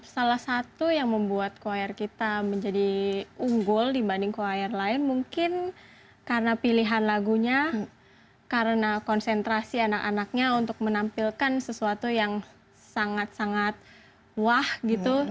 salah satu yang membuat choir kita menjadi unggul dibanding choir lain mungkin karena pilihan lagunya karena konsentrasi anak anaknya untuk menampilkan sesuatu yang sangat sangat wah gitu